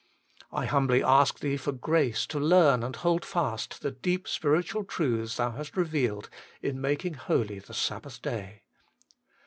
I humbly ask Thee for grace to learn and hold fast the deep spiritual truths Thou hast revealed in making holy the Sabbath day.